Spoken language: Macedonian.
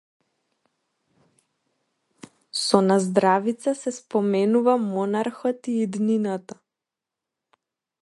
Со наздравица се споменува монархот и иднината.